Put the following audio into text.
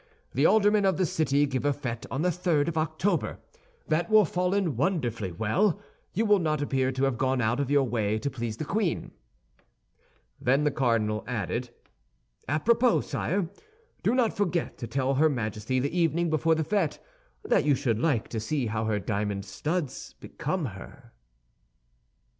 The aldermen of the city give a fête on the third of October. That will fall in wonderfully well; you will not appear to have gone out of your way to please the queen." Then the cardinal added, "A propos, sire, do not forget to tell her Majesty the evening before the fête that you should like to see how her diamond studs become her."